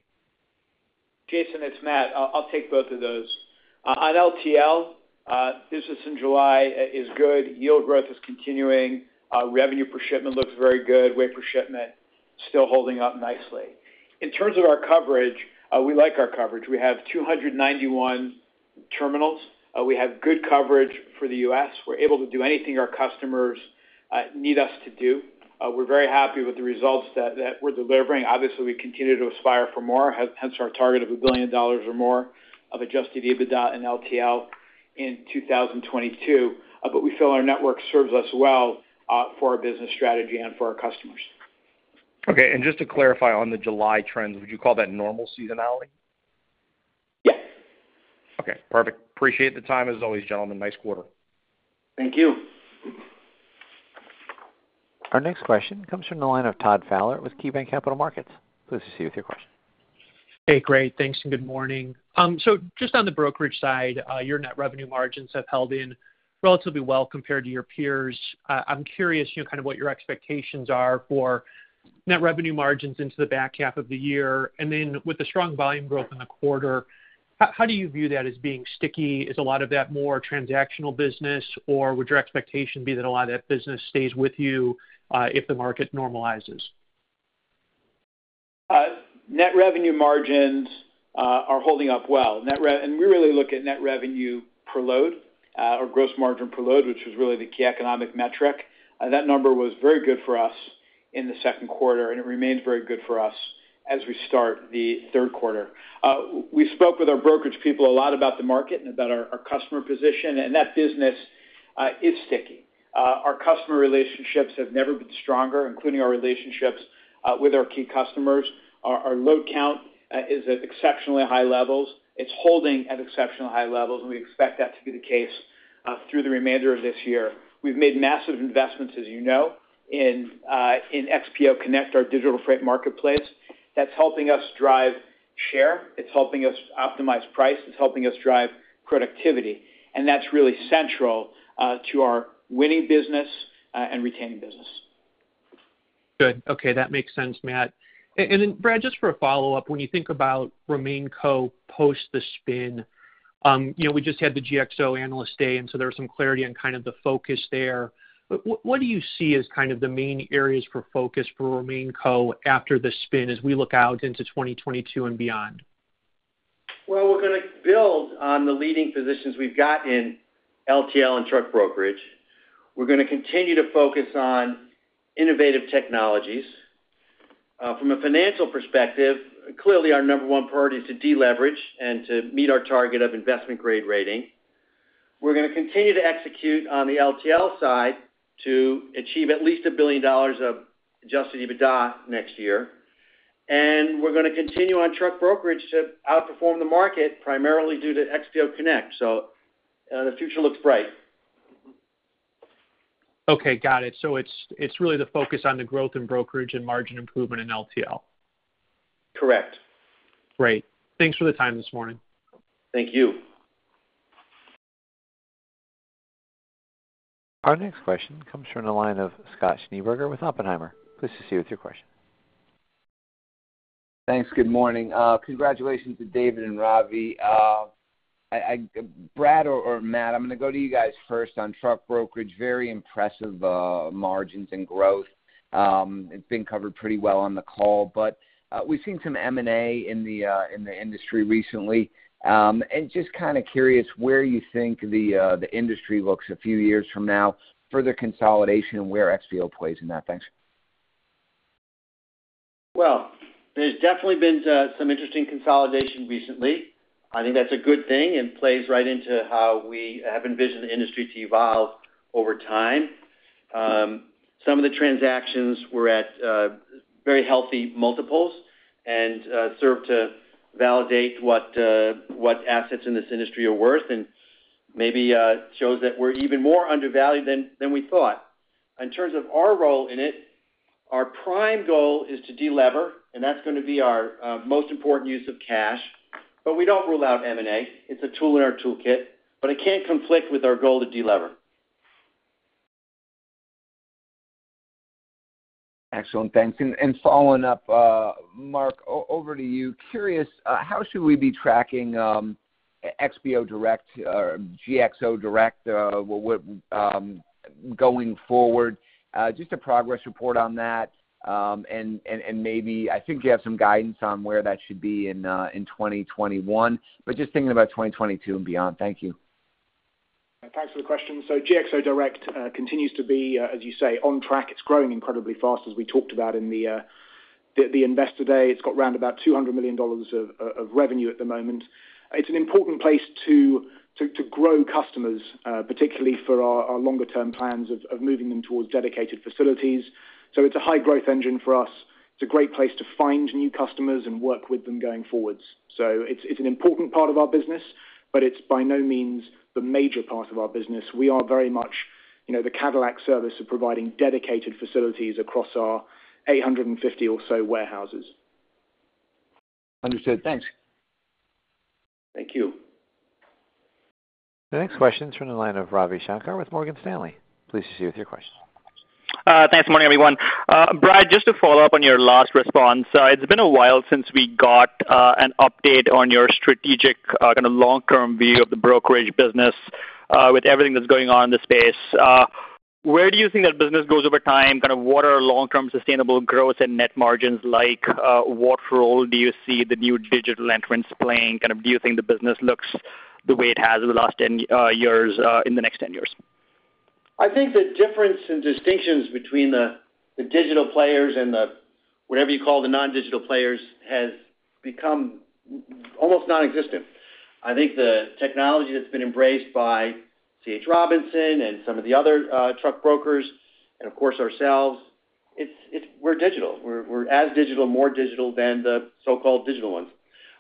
Jason, it's Matt. I'll take both of those. On LTL, business in July is good. Yield growth is continuing. Revenue per shipment looks very good. Weight per shipment still holding up nicely. In terms of our coverage, we like our coverage. We have 291 terminals. We have good coverage for the U.S. We're able to do anything our customers need us to do. We're very happy with the results that we're delivering. Obviously, we continue to aspire for more, hence our target of $1 billion or more of adjusted EBITDA and LTL in 2022. We feel our network serves us well for our business strategy and for our customers. Okay. Just to clarify on the July trends, would you call that normal seasonality? Yes. Okay, perfect. Appreciate the time as always, gentlemen. Nice quarter. Thank you. Our next question comes from the line of Todd Fowler with KeyBanc Capital Markets. Please proceed with your question. Hey, great, thanks, and good morning. Just on the brokerage side, your net revenue margins have held in relatively well compared to your peers. I'm curious kind of what your expectations are for net revenue margins into the back half of the year. With the strong volume growth in the quarter, how do you view that as being sticky? Is a lot of that more transactional business, or would your expectation be that a lot of that business stays with you if the market normalizes? Net revenue margins are holding up well. We really look at net revenue per load, or gross margin per load, which is really the key economic metric. That number was very good for us in the second quarter, and it remains very good for us as we start the third quarter. We spoke with our brokerage people a lot about the market and about our customer position, and that business is sticky. Our customer relationships have never been stronger, including our relationships with our key customers. Our load count is at exceptionally high levels. It's holding at exceptionally high levels, and we expect that to be the case through the remainder of this year. We've made massive investments, as you know, in XPO Connect, our digital freight marketplace. That's helping us drive share. It's helping us optimize price. It's helping us drive productivity. That's really central to our winning business and retaining business. Good. Okay. That makes sense, Matt. Brad, just for a follow-up, when you think about RemainCo post the spin, we just had the GXO Analyst Day, and so there was some clarity on kind of the focus there. What do you see as kind of the main areas for focus for RemainCo after the spin as we look out into 2022 and beyond? We're going to build on the leading positions we've got in LTL and truck brokerage. We're going to continue to focus on innovative technologies. From a financial perspective, clearly our number one priority is to deleverage and to meet our target of investment grade rating. We're going to continue to execute on the LTL side to achieve at least $1 billion of adjusted EBITDA next year, and we're going to continue on truck brokerage to outperform the market primarily due to XPO Connect. The future looks bright. Okay, got it. It's really the focus on the growth in brokerage and margin improvement in LTL. Correct. Great. Thanks for the time this morning. Thank you. Our next question comes from the line of Scott Schneeberger with Oppenheimer. Please proceed with your question. Thanks. Good morning. Congratulations to David and Ravi. Brad or Matt, I'm going to go to you guys first on truck brokerage. Very impressive margins and growth. It's been covered pretty well on the call, but we've seen some M&A in the industry recently. Just kind of curious where you think the industry looks a few years from now, further consolidation, and where XPO plays in that. Thanks. Well, there's definitely been some interesting consolidation recently. I think that's a good thing and plays right into how we have envisioned the industry to evolve over time. Some of the transactions were at very healthy multiples and serve to validate what assets in this industry are worth and maybe shows that we're even more undervalued than we thought. In terms of our role in it, our prime goal is to de-lever, and that's going to be our most important use of cash, but we don't rule out M&A. It's a tool in our toolkit, but it can't conflict with our goal to de-lever. Excellent. Thanks. Following up, Mark, over to you. Curious, how should we be tracking XPO Direct or GXO Direct going forward? Just a progress report on that. Maybe, I think you have some guidance on where that should be in 2021, but just thinking about 2022 and beyond. Thank you. Thanks for the question. GXO Direct continues to be, as you say, on track. It's growing incredibly fast, as we talked about in the Investor Day. It's got around about $200 million of revenue at the moment. It's an important place to grow customers, particularly for our longer-term plans of moving them towards dedicated facilities. It's a high-growth engine for us. It's a great place to find new customers and work with them going forwards. It's an important part of our business, but it's by no means the major part of our business. We are very much the Cadillac service of providing dedicated facilities across our 850 or so warehouses. Understood. Thanks. Thank you. The next question is from the line of Ravi Shanker with Morgan Stanley. Please proceed with your question. Thanks, morning, everyone. Brad, just to follow-up on your last response. It's been a while since we got an update on your strategic kind of long-term view of the brokerage business with everything that's going on in the space. Where do you think that business goes over time? Kind of what are long-term sustainable growth and net margins like? What role do you see the new digital entrants playing? Kind of do you think the business looks the way it has in the last 10 years in the next 10 years? I think the difference in distinctions between the digital players and the, whatever you call the non-digital players, has become almost non-existent. I think the technology that's been embraced by C.H. Robinson and some of the other truck brokers, and of course ourselves, we're digital. We're as digital, more digital than the so-called digital ones.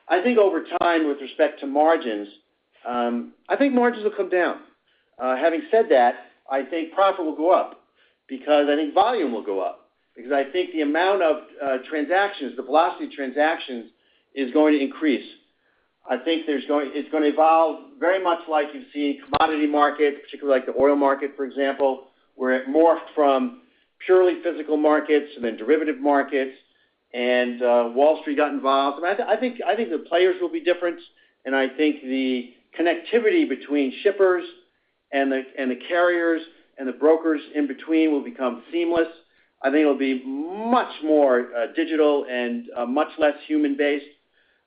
I think over time, with respect to margins, I think margins will come down. Having said that, I think profit will go up because I think volume will go up because I think the amount of transactions, the velocity of transactions is going to increase. I think it's going to evolve very much like you see commodity markets, particularly like the oil market, for example, where it morphed from purely physical markets and then derivative markets and Wall Street got involved. I think the players will be different, and I think the connectivity between shippers and the carriers and the brokers in between will become seamless. I think it'll be much more digital and much less human-based.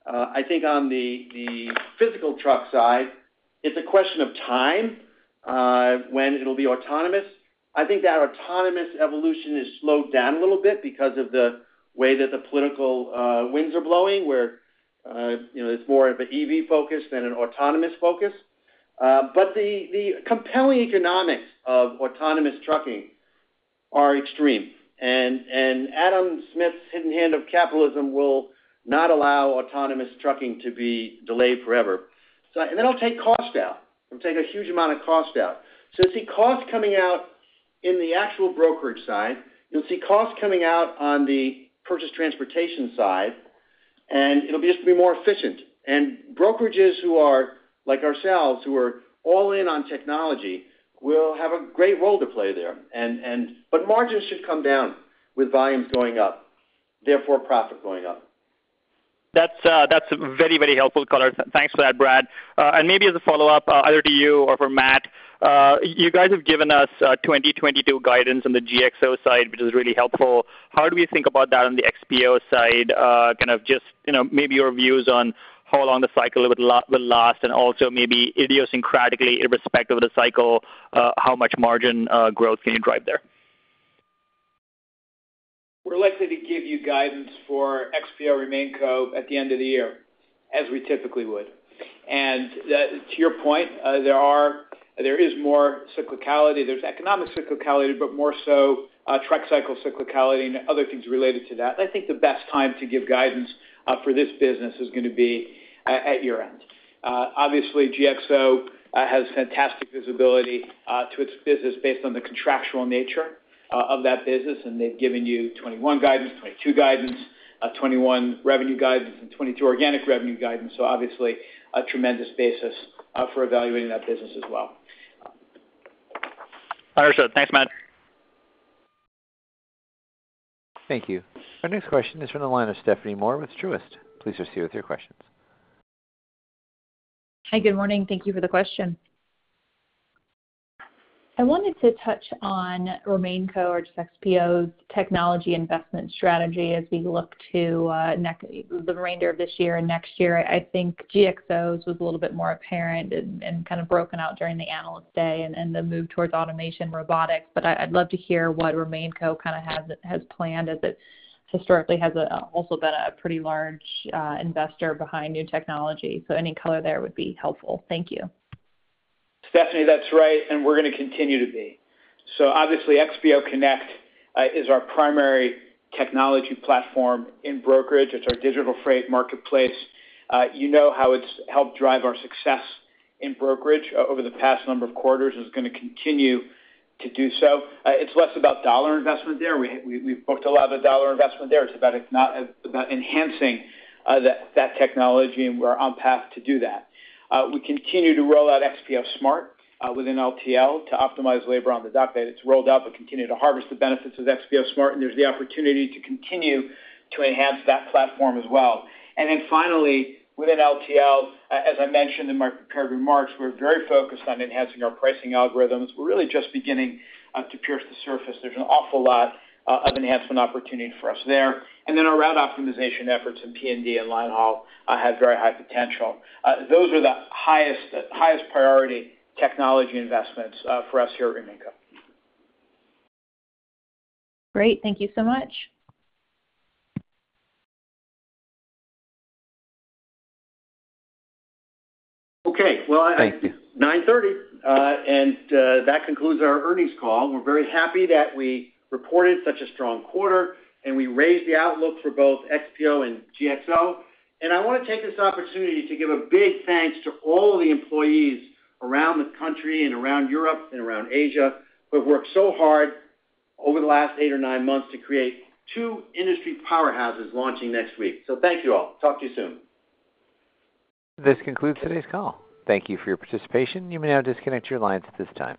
I think on the physical truck side, it's a question of time when it'll be autonomous. I think that autonomous evolution has slowed down a little bit because of the way that the political winds are blowing, where it's more of an EV focus than an autonomous focus. The compelling economics of autonomous trucking are extreme, and Adam Smith's hidden hand of capitalism will not allow autonomous trucking to be delayed forever. That'll take cost out. It'll take a huge amount of cost out. You'll see cost coming out in the actual brokerage side. You'll see cost coming out on the purchased transportation side, and it'll just be more efficient. Brokerages who are like ourselves, who are all in on technology, will have a great role to play there. Margins should come down with volumes going up, therefore profit going up. That's very helpful color. Thanks for that, Brad. Maybe as a follow-up, either to you or for Matt, you guys have given us 2022 guidance on the GXO side, which is really helpful. How do we think about that on the XPO side? Kind of just maybe your views on how long the cycle will last, and also maybe idiosyncratically, irrespective of the cycle, how much margin growth can you drive there? We're likely to give you guidance for XPO RemainCo at the end of the year, as we typically would. To your point, there is more cyclicality. There's economic cyclicality, but more so truck cycle cyclicality and other things related to that. I think the best time to give guidance for this business is going to be at year-end. Obviously, GXO has fantastic visibility to its business based on the contractual nature of that business, and they've given you 2021 guidance, 2022 guidance, 2021 revenue guidance, and 2022 organic revenue guidance. Obviously, a tremendous basis for evaluating that business as well. Understood. Thanks, Matt. Thank you. Our next question is from the line of Stephanie Moore with Truist. Please proceed with your questions. Hi, good morning. Thank you for the question. I wanted to touch on RemainCo or just XPO's technology investment strategy as we look to the remainder of this year and next year. I think GXO's was a little bit more apparent and kind of broken out during the analyst day and the move towards automation robotics. I'd love to hear what RemainCo has planned as it historically has also been a pretty large investor behind new technology. Any color there would be helpful. Thank you. Stephanie, that's right, and we're going to continue to be. Obviously XPO Connect is our primary technology platform in brokerage. It's our digital freight marketplace. You know how it's helped drive our success in brokerage over the past number of quarters. It's going to continue to do so. It's less about dollar investment there. We've booked a lot of the dollar investment there. It's about enhancing that technology, and we're on path to do that. We continue to roll out XPO Smart within LTL to optimize labor on the dock. It's rolled out, but continue to harvest the benefits of XPO Smart, and there's the opportunity to continue to enhance that platform as well. Finally, within LTL, as I mentioned in my prepared remarks, we're very focused on enhancing our pricing algorithms. We're really just beginning to pierce the surface. There's an awful lot of enhancement opportunity for us there. Our route optimization efforts in P&D and linehaul have very high potential. Those are the highest priority technology investments for us here at RemainCo. Great. Thank you so much. Thank you. Okay. Well, 9:30 A.M., that concludes our earnings call. We're very happy that we reported such a strong quarter, we raised the outlook for both XPO and GXO. I want to take this opportunity to give a big thanks to all of the employees around the country and around Europe and around Asia who have worked so hard over the last eight or nine months to create two industry powerhouses launching next week. Thank you all. Talk to you soon. This concludes today's call. Thank you for your participation. You may now disconnect your lines at this time.